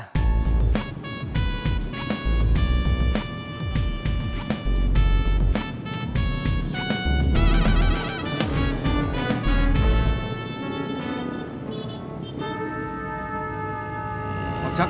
tidak ada yang bisa dipercayai